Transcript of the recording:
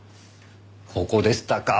ここでしたか。